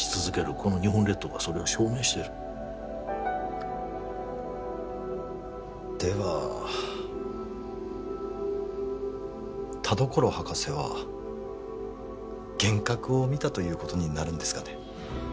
この日本列島がそれを証明してるでは田所博士は幻覚を見たということになるんですかね？